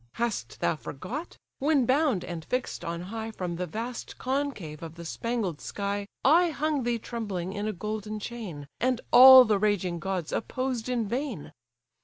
Hast thou forgot, when, bound and fix'd on high, From the vast concave of the spangled sky, I hung thee trembling in a golden chain, And all the raging gods opposed in vain?